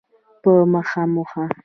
په مخه مو ښه؟